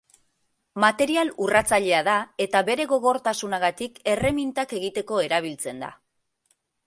Material urratzailea da eta bere gogortasunagatik erremintak egiteko erabiltzen da.